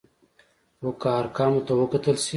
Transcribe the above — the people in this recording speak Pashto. خو که ارقامو ته وکتل شي،